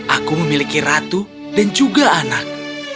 aku memiliki ratu dan juga anak